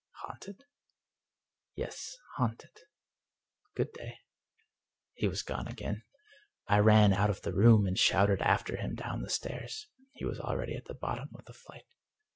"Haunted?" " Yes, haunted. Good day." He was gone again. I ran out of the room, and shouted after him down the stairs. He was already at the bottom of the flight.